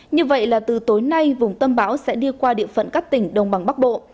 như vậy là từ tối nay vùng tâm bão sẽ đi qua địa phận các tỉnh đông bằng bắc bộ